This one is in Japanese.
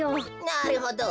なるほど。